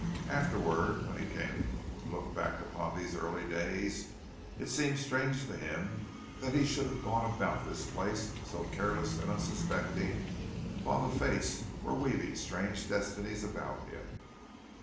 Afterward, when he came to look back upon these early days, it seemed strange to him that he should have gone about this place, so careless and unsuspecting, while the fates were weaving strange destinies about him.